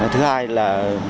thứ hai là